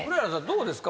どうですか？